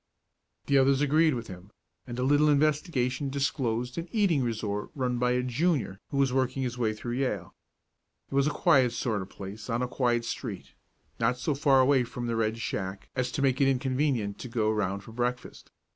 The others agreed with him, and a little investigation disclosed an eating resort run by a Junior who was working his way through Yale. It was a quiet sort of a place, on a quiet street, not so far away from the Red Shack as to make it inconvenient to go around for breakfast.